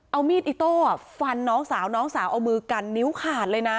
เอามีดอิโต้ฟันน้องสาวน้องสาวเอามือกันนิ้วขาดเลยนะ